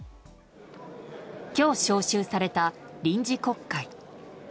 今日召集された臨時国会。